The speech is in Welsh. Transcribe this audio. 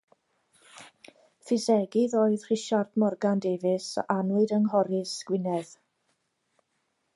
Ffisegydd oedd Rhisiart Morgan Davies a anwyd yng Nghorris, Gwynedd.